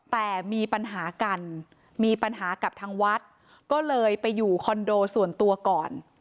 แต่มีปัญหากันมีปัญหากับทางวัดก็เลยไปอยู่คอนโดส่วนตัวก่อน